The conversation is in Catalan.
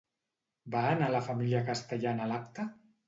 Va anar la família castellana a l'acte?